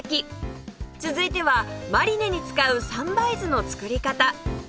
続いてはマリネに使う三杯酢の作り方